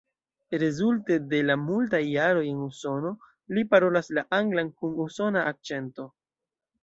Rezulte de la multaj jaroj en Usono, li parolas la anglan kun usona akĉento.